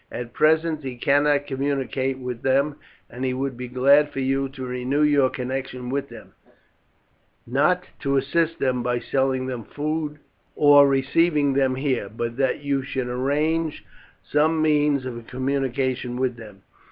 At present he cannot communicate with them, and he would be glad for you to renew your connection with them, not to assist them by selling them food or receiving them here, but that you should arrange some means of communication with them."